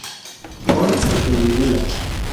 Con o sin lígula.